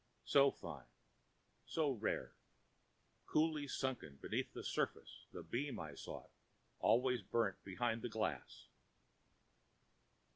So fine, so rare, coolly sunk beneath the surface the beam I sought always burnt behind the glass.